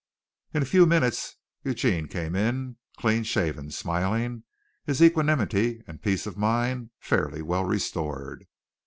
In a few minutes Eugene came in, clean shaven, smiling, his equanimity and peace of mind fairly well restored.